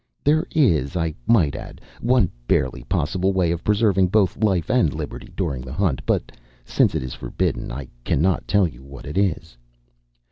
"There is, I might add, one barely possible way of preserving both life and liberty during the Hunt. But, since it is forbidden, I cannot tell you what it is."